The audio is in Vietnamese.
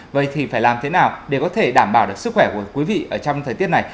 vậy thì phải làm thế nào để có thể đảm bảo được sức khỏe của quý vị trong thời tiết này